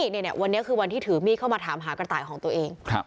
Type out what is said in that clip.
นี่วันนี้คือวันที่ถือมีดเข้ามาถามหากระต่ายของตัวเอง